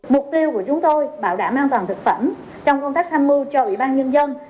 mục tiêu của chúng tôi bảo đảm an toàn thực phẩm trong công tác tham mưu cho ủy ban nhân dân